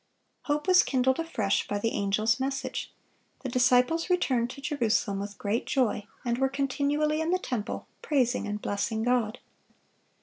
(566) Hope was kindled afresh by the angel's message. The disciples "returned to Jerusalem with great joy, and were continually in the temple, praising and blessing God."